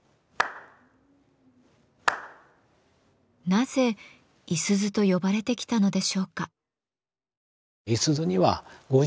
なぜ五十鈴と呼ばれてきたのでしょうか。